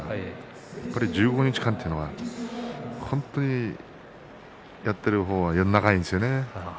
やはり１５日間というのは本当にやってる方は長いんですよね。